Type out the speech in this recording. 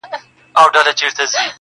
نه یوه چېغه مستانه سته زه به چیري ځمه٫